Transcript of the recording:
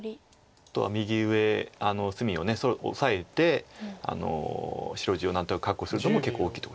あとは右上隅をオサえて白地を何となく確保するのも結構大きいとこですよね。